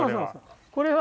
これは。